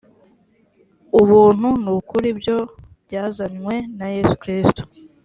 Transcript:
ubuntu n’ukuri byo byazanywe na yesu kristo